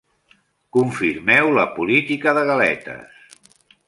Confirmeu la política de galetes.